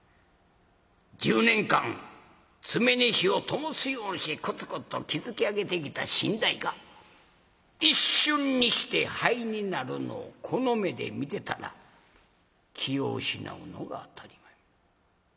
１０年間爪に火をともすようにしてコツコツと築き上げてきた身代が一瞬にして灰になるのをこの目で見てたら気を失うのが当たり前。